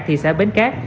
thị xã bến cát